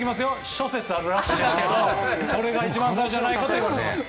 諸説ありますけどもこれが一番最初じゃないかといわれています。